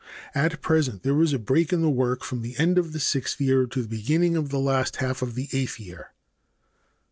At present there is a break in the work from the end of the sixth year to the beginning of the last half of the eighth year.